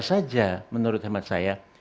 saja menurut hemat saya